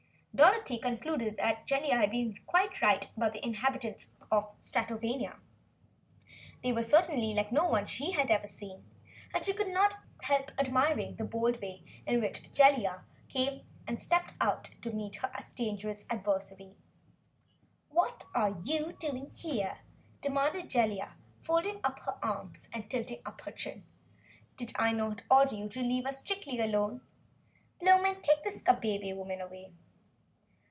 Dorothy concluded Jellia had been quite right about the inhabitants of Stratovania. They certainly were like no one she ever had seen, and she could not help admiring the bold way Jellia stepped out to meet her dangerous adversary. "Just what are you doing here?" demanded Jellia, folding her arms and tilting up her chin. "Did I not order you to leave us strictly alone? Blowmen, take this Kabebe woman away!"